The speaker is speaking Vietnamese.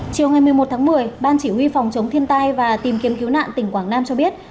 chiều ngày một mươi một tháng một mươi ban chỉ huy phòng chống thiên tai và tìm kiếm cứu nạn tỉnh quảng nam cho biết